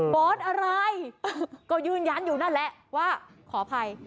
อสอะไรก็ยืนยันอยู่นั่นแหละว่าขออภัย